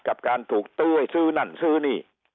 กับการถูกตู้ไว้ซื่อนั่นนานซื่อนี่